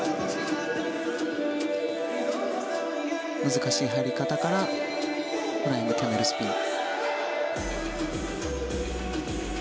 難しい入り方からフライングキャメルスピン。